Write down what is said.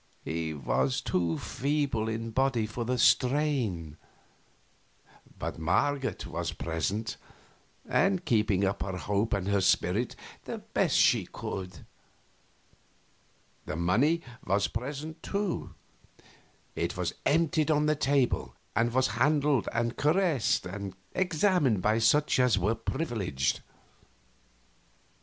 He was too feeble in body for the strain. But Marget was present, and keeping up her hope and her spirit the best she could. The money was present, too. It was emptied on the table, and was handled and caressed and examined by such as were privileged.